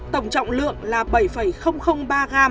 tổng trọng lượng là bảy ba g